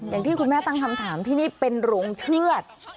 อย่างที่คุณแม่ตั้งคำถามที่นี่เป็นโรงเชือด